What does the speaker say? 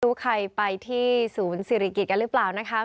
ใครไปที่ศูนย์ศิริกิจกันหรือเปล่านะคะ